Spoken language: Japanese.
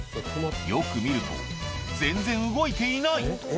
よく見ると全然動いていない！